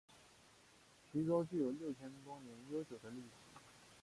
徐州具有六千多年悠久的历史。